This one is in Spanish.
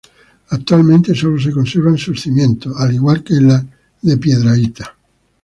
Actualmente sólo se conservan sus cimientos, al igual que en la de Piedrahita.